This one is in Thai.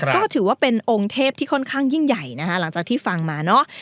ก็ถือว่าเป็นองค์เทพที่ค่อนข้างยิ่งใหญ่นะคะหลังจากที่ฟังมาเนอะ